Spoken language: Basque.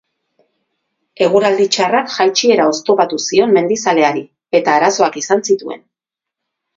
Eguraldi txarrak jaitsiera oztopatu zion mendizaleari eta arazoak izan zituen.